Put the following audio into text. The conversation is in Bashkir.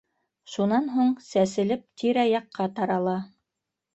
Шунан һуң, сәселеп, тирә-яҡҡа тарала.